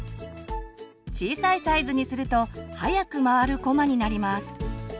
小さいサイズにすると速く回るこまになります。